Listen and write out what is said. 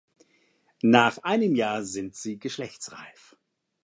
Nach einem Jahr sind sie geschlechtsreif.